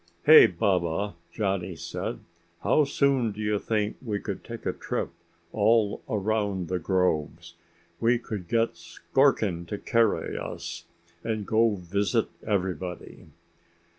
"Hey, Baba," Johnny said, "how soon do you think we could take a trip all around the groves? We could get Skorkin to carry us, and go visit everybody."